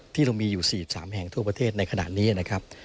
ที่เรามีอยู่๔๓แห่งทั่วประเทศในขณะนี้นะครับ